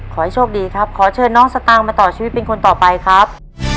ขอให้โชคดีครับขอเชิญน้องสตางค์มาต่อชีวิตเป็นคนต่อไปครับ